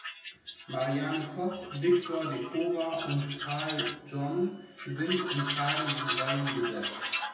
Marianne Koch, Viktor de Kowa und Karl John sind in tragenden Rollen besetzt.